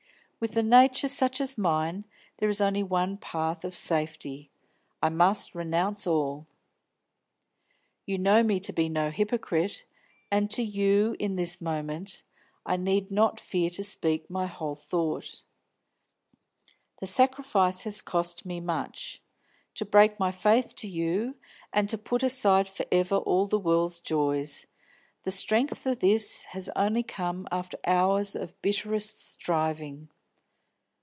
With a nature such as mine, there is only one path of safety: I must renounce all. You know me to be no hypocrite, and to you, in this moment, I need not fear to speak my whole thought, The sacrifice has cost me much To break my faith to you, and to put aside for ever all the world's joys the strength for this has only come after hours of bitterest striving.